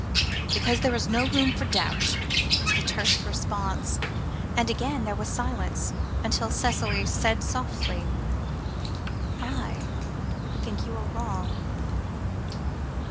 "Because there is no room for doubt," was the terse response, and again there was silence, until Cicely said softly "I think you are wrong.